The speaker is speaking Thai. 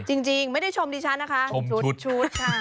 จริงไม่ได้ชมดิฉันนะคะชุดค่ะ